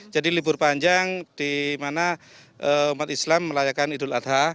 jadi libur panjang di mana umat islam melayakan idul adha